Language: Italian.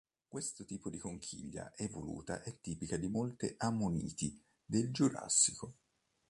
Questo tipo di conchiglia evoluta è tipica di molte ammoniti del Giurassico.